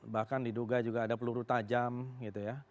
bahkan diduga juga ada peluru tajam gitu ya